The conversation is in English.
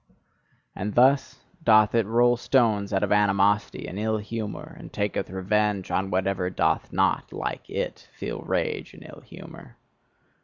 And thus doth it roll stones out of animosity and ill humour, and taketh revenge on whatever doth not, like it, feel rage and ill humour.